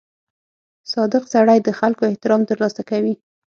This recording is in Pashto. • صادق سړی د خلکو احترام ترلاسه کوي.